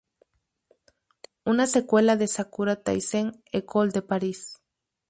Una secuela de "Sakura Taisen: Ecole de Paris".